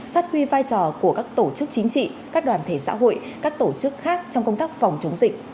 phát huy vai trò của các tổ chức chính trị các đoàn thể xã hội các tổ chức khác trong công tác phòng chống dịch